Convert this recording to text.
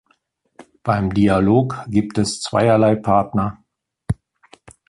Beim Dialog gibt es zweierlei Partner.